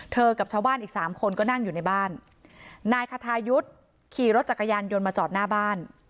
กับชาวบ้านอีกสามคนก็นั่งอยู่ในบ้านนายคทายุทธ์ขี่รถจักรยานยนต์มาจอดหน้าบ้าน